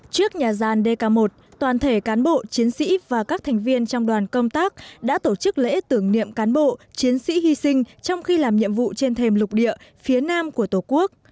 trước nhà gian dk một toàn thể cán bộ chiến sĩ và các thành viên trong đoàn công tác đã tổ chức lễ tưởng niệm cán bộ chiến sĩ hy sinh trong khi làm nhiệm vụ trên thềm lục địa phía nam của tổ quốc